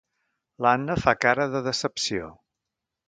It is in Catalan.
L'Anna fa cara de decepció.